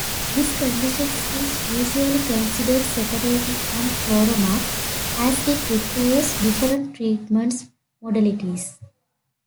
This condition is usually considered separately from chloroma, as it requires different treatment modalities.